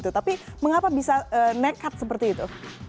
tapi mengapa bisa nekat seperti itu